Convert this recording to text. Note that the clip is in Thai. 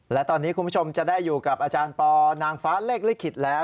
และตอนนี้คุณผู้ชมจะได้อยู่กับอาจารย์ปอนางฟ้าเลขลิขิตแล้ว